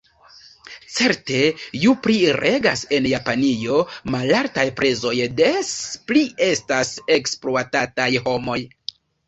Certe: ju pli regas en Japanio malaltaj prezoj, des pli estas ekspluatataj homoj.